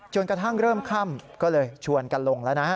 กระทั่งเริ่มค่ำก็เลยชวนกันลงแล้วนะ